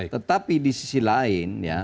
tetapi di sisi lain